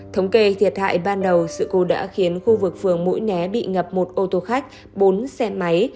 thống kê thiệt hại ban đầu sự cố đã khiến khu vực phường mũi né bị ngập một ô tô khách bốn xe máy